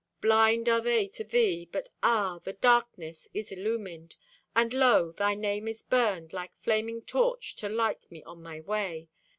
Blind are they to thee, but ah, the darkness Is illumined; and lo! thy name is burned Like flaming torch to light me on my way.